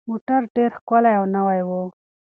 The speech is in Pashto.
موټر ډېر ښکلی او نوی و.